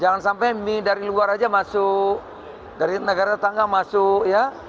jangan sampai mie dari luar saja masuk dari negara tangga masuk ya